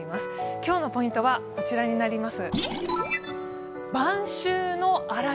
今日のポイントは、こちらになります。